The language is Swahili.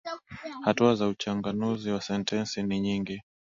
Hatua za uchanganuzi wa sentensi ni nyingi.